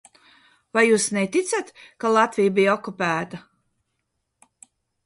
Vai jūs neticat, ka Latvija bija okupēta?